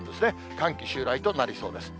寒気襲来となりそうです。